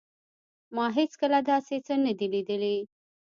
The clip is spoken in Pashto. ما هیڅکله داسې څه نه دي لیدلي